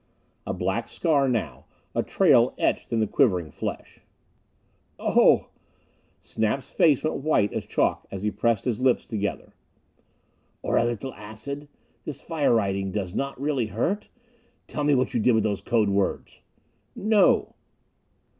A black scar now a trail etched in the quivering flesh. "Oh! " Snap's face went white as chalk as he pressed his lips together. "Or a little acid? This fire writing does not really hurt? Tell me what you did with those code words!" "No!"